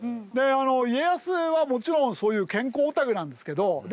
家康はもちろんそういう健康オタクなんですけどあ